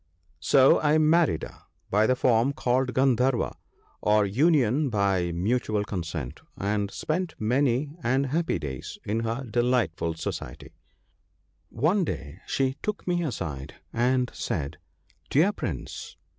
So I married her by the form called Gund harva ( 6a ), or ' Union by mutual consent,' and spent many and happy days in her delightful society. One day she took me aside, and said, ' Dear Prince